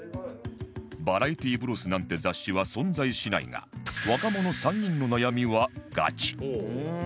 「バラエティ Ｂｒｏｓ．」なんて雑誌は存在しないが若者３人の悩みはガチ